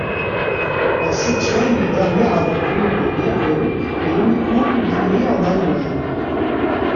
La septième et dernière aventure de Birge est uniquement publié en Allemagne.